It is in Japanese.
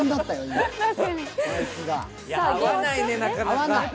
合わない。